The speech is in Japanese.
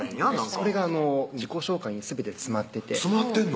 それが自己紹介にすべて詰まってて詰まってんの？